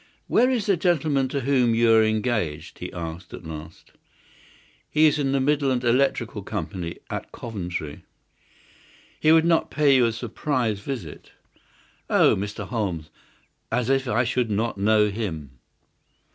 "Where is the gentleman to whom you are engaged?" he asked, at last. "He is in the Midland Electrical Company, at Coventry." "He would not pay you a surprise visit?" "Oh, Mr. Holmes! As if I should not know him!"